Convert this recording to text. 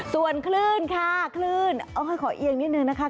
ส่วนคลื่นค่ะคลื่นเอาให้ขอเอียงนิดนึงนะคะ